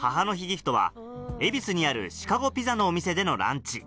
ギフトは恵比寿にあるシカゴピザのお店でのランチ